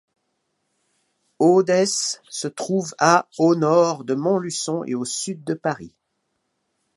Audes se trouve à au nord de Montluçon et au sud de Paris.